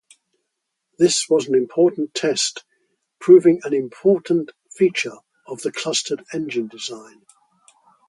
This was an important test proving an important feature of the clustered engine design.